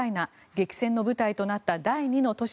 激戦の舞台となった第２の都市